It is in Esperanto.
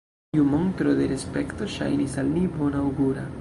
Tiu montro de respekto ŝajnis al ni bonaŭgura.